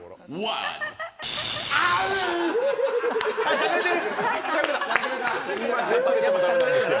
しゃくれてる。